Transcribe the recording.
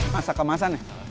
masa kemasan ya